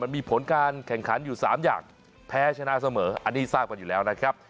มีผลการแข่งขันอยู่๓อย่างแพ้ชนะเสมออันนี้ทราบกันอยู่แล้วนะครับ